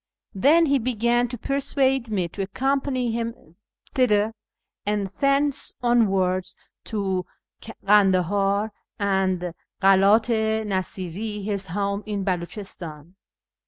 Then he began to persuade me to accompany him thither, and thence onwards to Kandahar and Karat i Nasiri, his home in Beliichistan.